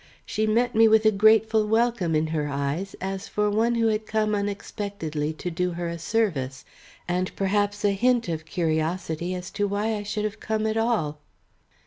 She met me with a grateful welcome in her eyes as for one who had come unexpectedly to do her a service, and perhaps a hint of curiosity as to why I should have come at all.